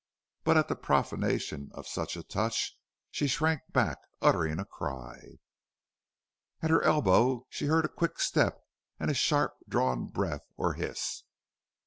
But at the profanation of such a touch she shrank back, uttering a cry. At her elbow she heard a quick step and a sharp drawn breath or hiss.